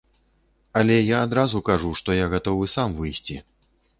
Але я адразу кажу, што я гатовы сам выйсці.